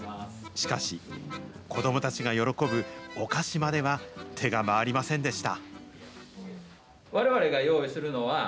しかし、子どもたちが喜ぶお菓子までは手が回りませんでした。